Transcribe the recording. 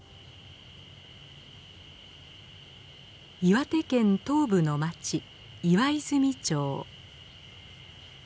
岩手県東部の町岩泉町。